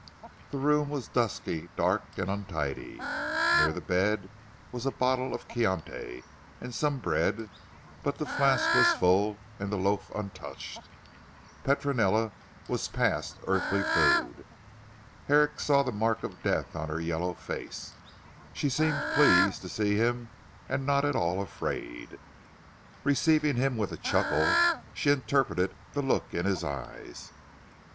The room was dusty, dark and untidy. Near the bed was a bottle of Chianti and some bread, but the flask was full and the loaf untouched. Petronella was past earthly food. Herrick saw the mark of death on her yellow face. She seemed pleased to see him and not at all afraid. Receiving him with a chuckle, she interpreted the look in his eyes.